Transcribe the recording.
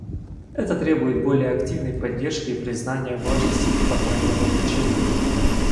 Это требует более активной поддержки и признания важности неформального обучения.